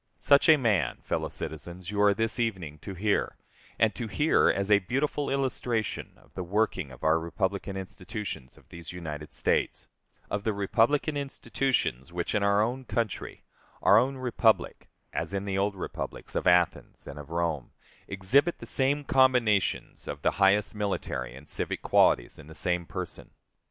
Such a man, fellow citizens, you are this evening to hear, and to hear as a beautiful illustration of the working of our republican institutions of these United States; of the republican institutions which in our own country, our own republic, as in the old republics of Athens and of Rome, exhibit the same combinations of the highest military and civic qualities in the same person.